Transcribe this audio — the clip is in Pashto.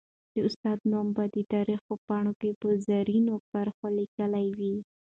د استاد نوم به د تاریخ په پاڼو کي په زرینو کرښو ليکلی وي.